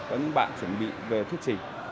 có những bạn chuẩn bị về thuyết trình